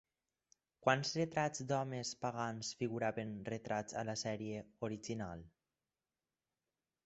Quants retrats d'homes pagans figuraven retrats a la sèrie original?